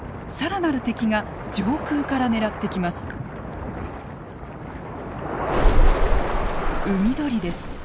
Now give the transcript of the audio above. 更なる敵が上空から狙ってきます。